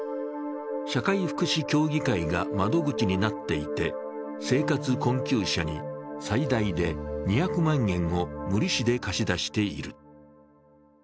社会福祉協議会が窓口になっていて、生活困窮者に最大で２００万円を無利子で貸し出している。